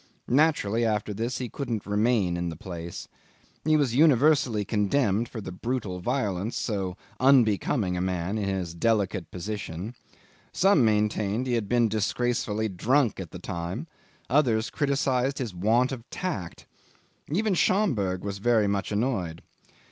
Naturally after this he couldn't remain in the place. He was universally condemned for the brutal violence, so unbecoming a man in his delicate position; some maintained he had been disgracefully drunk at the time; others criticised his want of tact. Even Schomberg was very much annoyed.